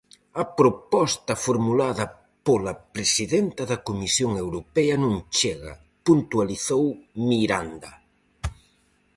A proposta formulada pola presidenta da Comisión Europea non chega, puntualizou Miranda.